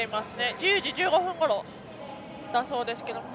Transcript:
１０時１５分ごろだそうですけど。